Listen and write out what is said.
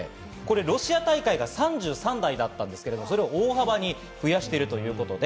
ロシア大会が３３台だったんですけれども、大幅に増やしているということです。